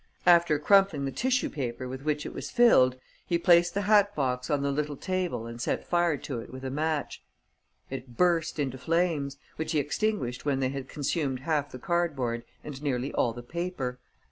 After crumpling the tissue paper with which it was filled, he placed the hat box on the little table and set fire to it with a match. It burst into flames, which he extinguished when they had consumed half the cardboard and nearly all the paper.